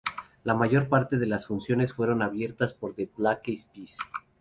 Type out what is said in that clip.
La mayor parte de las funciones fueron abiertas por The Black Eyed Peas.